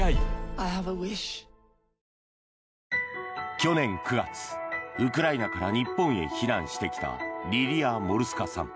去年９月、ウクライナから日本へ避難してきたリリア・モルスカさん。